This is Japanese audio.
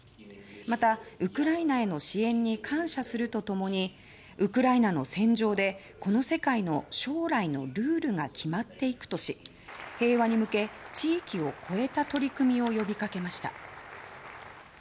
また、ウクライナへの支援に感謝すると共にウクライナの戦場で、この世界の将来のルールが決まっていくとし平和に向け、地域を越えた取り組みを呼びかけました。